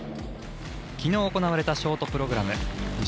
きのう行われたショートプログラム。